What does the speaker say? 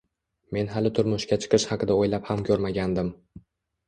Men hali turmushga chiqish haqida o`ylab ham ko`rmagandim